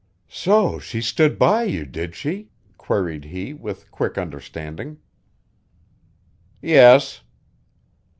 "So she stood by you, did she?" queried he with quick understanding. "Yes."